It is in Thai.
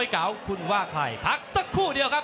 รอคะแนนจากอาจารย์สมาร์ทจันทร์คล้อยสักครู่หนึ่งนะครับ